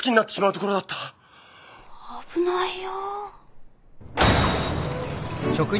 危ないよ。